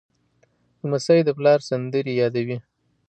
لمسی د پلار سندرې یادوي.